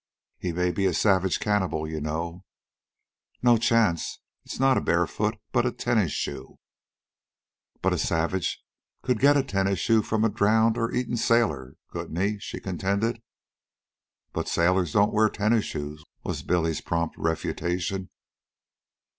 "He may be a savage cannibal, you know." "No chance. It's not a bare foot but a tennis shoe." "But a savage could get a tennis shoe from a drowned or eaten sailor, couldn't he?" she contended. "But sailors don't wear tennis shoes," was Billy's prompt refutation.